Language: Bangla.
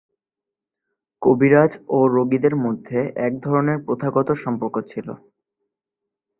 কবিরাজ ও রোগীদের মধ্যে এক ধরনের প্রথাগত সম্পর্ক ছিল।